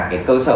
cái cơ sở